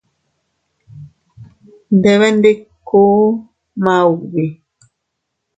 Ndebendikutuu maubi.